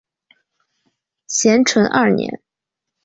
咸淳二年。